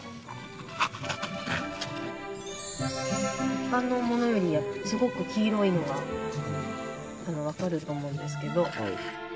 一般のものよりすごく黄色いのがわかると思うんですけど。